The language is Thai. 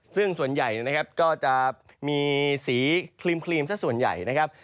ซึ่งส่วนใหญ่นะครับก็จะมีสีครีมสักส่วนใหญ่นะครับ